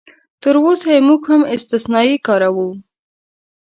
تراوسه یې موږ هم استثنایي کاروو.